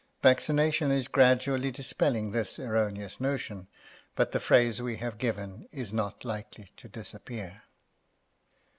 Vaccination is gradually dispelling this erroneous notion, but the phrase we have given is not likely to disappear.